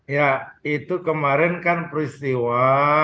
ya itu kemarin kan peristiwa